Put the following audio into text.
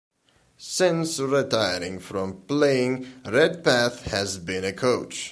Since retiring from playing, Redpath has been a coach.